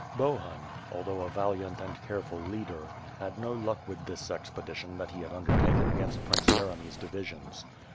BohnD, although a valiant and careful leader^ had no luck with this expedition that he had undertaken against Prince Yeremy's divisions.